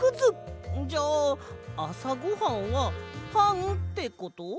じゃああさごはんはパンってこと？